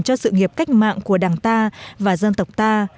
cho sự nghiệp cách mạng của đảng ta và dân tộc ta